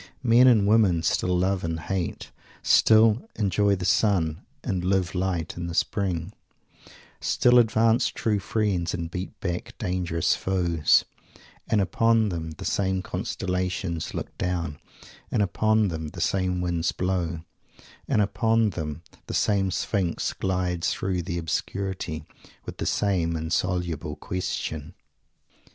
Men and women still love and hate; still "enjoy the sun" and "live light in the Spring"; still "advance true friends and beat back dangerous foes" and upon them the same Constellations look down; and upon them the same winds blow; and upon them the same Sphinx glides through the obscurity, with the same insoluble Question.